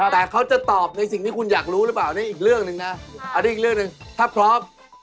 แต่เขาจะตอบในสิ่งที่คุณอยากรู้หรือเปล่านี่อีกเรื่องหนึ่งนะอันนี้อีกเรื่องหนึ่งถ้าพร้อม